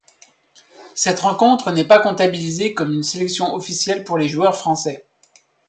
Cette rencontre n'est pas comptabilisée comme une sélection officielle pour les joueurs français.